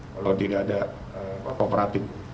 kalau tidak ada kooperatif